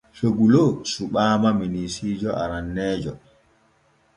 Soglo suɓaama minisiijo aranneejo.